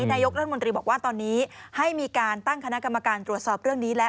นายกรัฐมนตรีบอกว่าตอนนี้ให้มีการตั้งคณะกรรมการตรวจสอบเรื่องนี้แล้ว